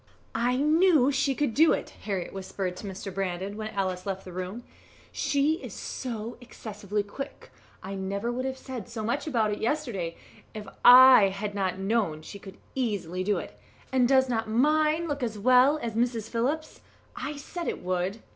"I knew she could do it," Harriett whispered to Mr. Brandon, when Alice left the room; "she is so excessively quick. I never would have said so much about it yesterday, if I had not known she could easily do it; and does not mine look as well as Mrs. Phillips's? I said it would."